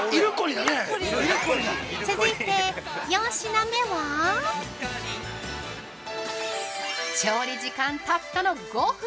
◆続いて４品目は調理時間たったの５分！